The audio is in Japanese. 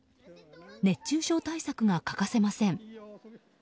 熱中症対策が欠かせません。